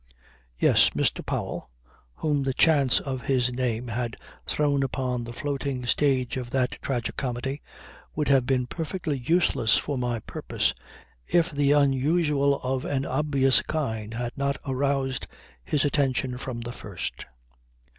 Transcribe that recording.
Yes, Mr. Powell, whom the chance of his name had thrown upon the floating stage of that tragicomedy would have been perfectly useless for my purpose if the unusual of an obvious kind had not aroused his attention from the first.